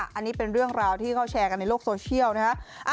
อันนี้เป็นเรื่องราวที่เขาแชร์กันในโลกโซเชียลนะฮะ